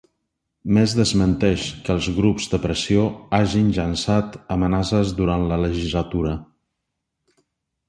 Més desmenteix que els grups de pressió hagin llançat amenaces durant la legislatura